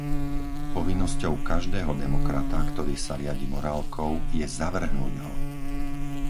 Povinnosťou každého demokrata, ktorý sa riadi morálkou, je zavrhnúť ho.